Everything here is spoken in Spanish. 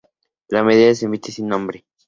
La medalla se emite sin nombre.